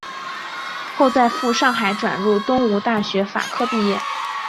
后在赴上海转入东吴大学法科毕业。